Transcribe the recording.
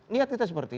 niat kita seperti